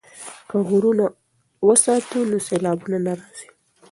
که غرونه وساتو نو سیلابونه نه راځي.